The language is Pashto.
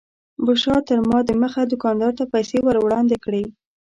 بشرا تر ما دمخه دوکاندار ته پیسې ور وړاندې کړې.